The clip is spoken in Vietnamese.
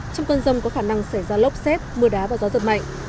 trong cơn rông có khả năng xảy ra lốc xét mưa đá và gió giật mạnh